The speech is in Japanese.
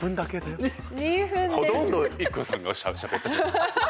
ほとんどＩＫＫＯさんがしゃべってた。